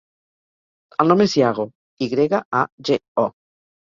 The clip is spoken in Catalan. El nom és Yago: i grega, a, ge, o.